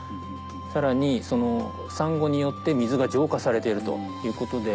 さらにそのサンゴによって水が浄化されているということで。